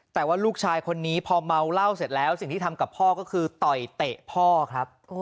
แต่ว่าลูกชายคนนี้พอเมาเหล้าเสร็จแล้วสิ่งที่ทำกับพ่อก็คือต่อยเตะพ่อครับ